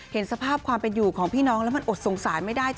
เห็นสภาพความเป็นอยู่ของพี่น้องแล้วมันอดสงสารไม่ได้